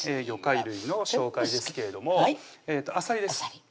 魚介類の紹介ですけれどもあさりです